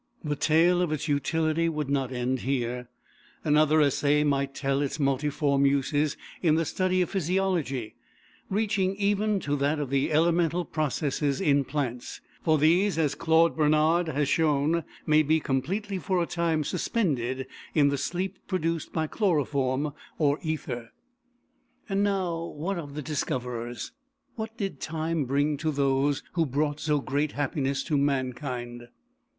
The tale of its utility would not end here; another essay might tell its multiform uses in the study of physiology, reaching even to that of the elemental processes in plants, for these, as Claude Bernard has shown, may be completely for a time suspended in the sleep produced by chloroform or ether. And now, what of the discoverers? What did time bring to those who brought so great happiness to mankind?